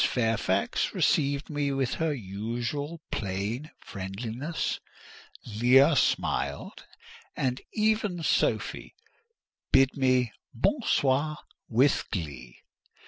Fairfax received me with her usual plain friendliness. Leah smiled, and even Sophie bid me "bon soir" with glee.